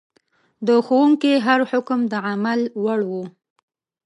د ښوونکي هر حکم د عمل وړ و.